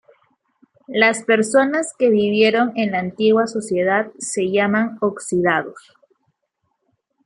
Las personas que vivieron en la antigua sociedad se llaman "Oxidados".